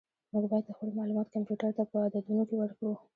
موږ باید خپل معلومات کمپیوټر ته په عددونو کې ورکړو.